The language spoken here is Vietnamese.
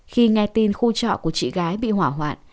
khi nghe tin khu trọ của chị gái bị hỏa hoạn